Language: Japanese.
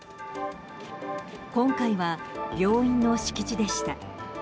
今回は病院の敷地でした。